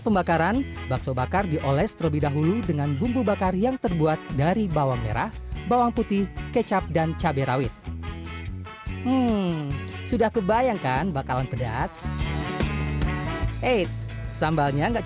masakan bakar selanjutnya